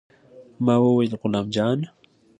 ما وويل غلام جان.